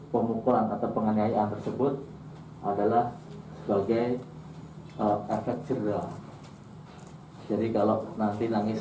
pemukulan atau penganiayaan tersebut adalah sebagai efek cedera jadi kalau nanti nangis